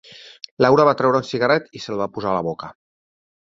Laura va treure un cigarret i se'l va posar a la boca.